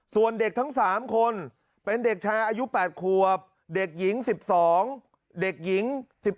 ส่วนเด็กทั้ง๓คนเป็นเด็กชายอายุ๘ขวบเด็กหญิง๑๒เด็กหญิง๑๒